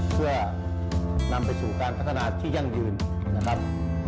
เพื่อนำไปสู่การพัฒนาที่ยั่งยืนนะครับ